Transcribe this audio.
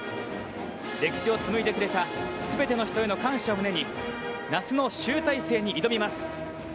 歴史を紡いでくれた全ての人への感謝を胸に夏の集大成に挑みます。